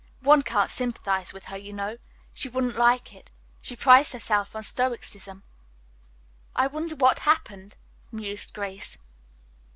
One can't sympathize with her, you know. She wouldn't like it. She prides herself on her stoicism." "I wonder what happened," mused Grace.